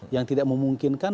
yang tidak memungkinkan